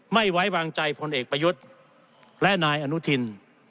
ไม่ไว้วางใจพลเอกประยุทธ์และนายอนุทิน